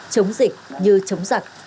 chống dịch như chống giặc